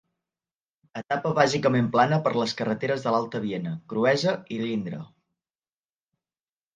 Etapa bàsicament plana per les carreteres de l'Alta Viena, Cruesa i l'Indre.